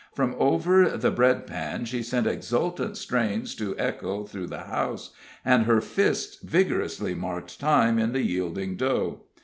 From over the bread pan she sent exultant strains to echo through the house, and her fists vigorously marked time in the yielding dough.